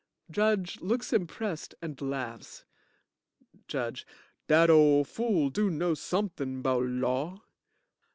(JUDGE looks impressed and laughs) JUDGE Dat ole fool do know somethin' 'bout law.